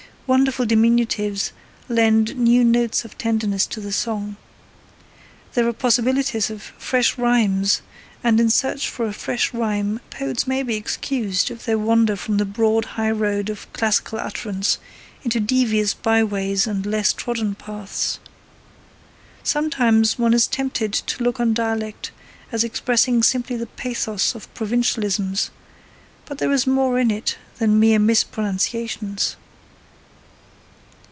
Wonderful diminutives lend new notes of tenderness to the song. There are possibilities of fresh rhymes, and in search for a fresh rhyme poets may be excused if they wander from the broad highroad of classical utterance into devious byways and less trodden paths. Sometimes one is tempted to look on dialect as expressing simply the pathos of provincialisms, but there is more in it than mere mispronunciations.